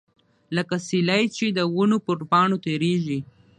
لکه سیلۍ چې د ونو پر پاڼو تیریږي.